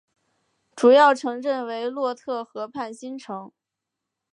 主要城镇为洛特河畔新城。